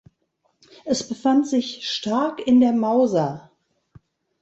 Es befand sich stark in der Mauser.